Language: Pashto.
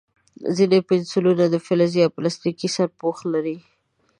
ځینې پنسلونه د فلزي یا پلاستیکي سرپوښ لري.